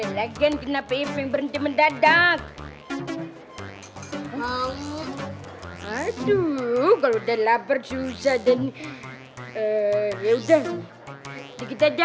lagi kenapa iping berhenti mendadak aduh kalau udah lapar susah dan ya udah dikit aja